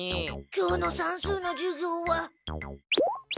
今日の算数の授業は。